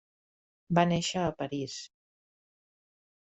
Va néixer a París.